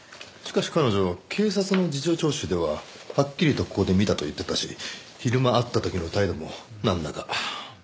しかし彼女警察の事情聴取でははっきりとここで見たと言ってたし昼間会った時の態度もなんだか。